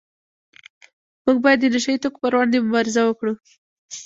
موږ باید د نشه یي توکو پروړاندې مبارزه وکړو